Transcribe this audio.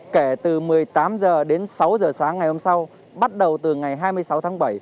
kể từ một mươi tám h đến sáu h sáng ngày hôm sau bắt đầu từ ngày hai mươi sáu tháng bảy